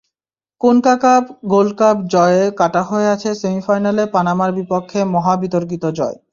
CONCACAF gold cup জয়ে কাঁটা হয়ে আছে সেমিফাইনালে পানামার বিপক্ষে মহা বিতর্কিত জয়।